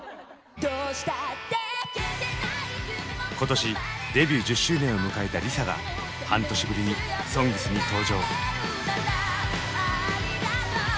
今年デビュー１０周年を迎えたＬｉＳＡが半年ぶりに「ＳＯＮＧＳ」に登場。